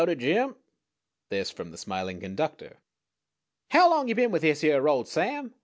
"] "Howdy, Jim!" this from the smiling conductor. "How long you been with this hyere road, Sam?"